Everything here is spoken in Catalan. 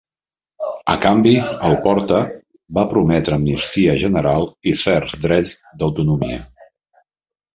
A canvi, el Porta va prometre amnistia general i certs drets d'autonomia.